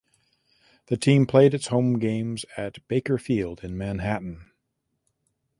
The team played its home games at Baker Field in Manhattan.